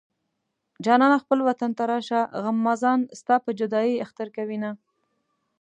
جانانه خپل وطن ته راشه غمازان ستا په جدايۍ اختر کوينه